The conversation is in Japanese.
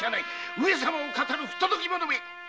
上様を騙る不届き者め！